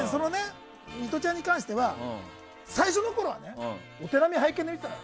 ミトちゃんに関しては最初のころはお手並み拝見で見てたの。